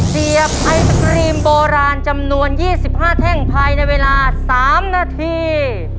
เสียบไอศครีมโบราณจำนวน๒๕แท่งภายในเวลา๓นาที